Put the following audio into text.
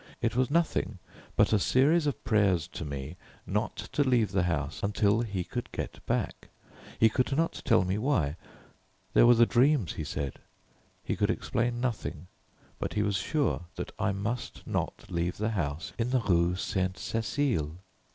It was nothing but a series of prayers to me not to leave the house until he could get back; he could not tell me why, there were the dreams, he said he could explain nothing, but he was sure that I must not leave the house in the Rue Sainte Cécile.